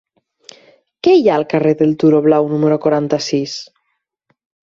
Què hi ha al carrer del Turó Blau número quaranta-sis?